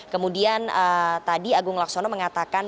kemudian tadi agung laksono mengatakan